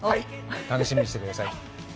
楽しみにしてください。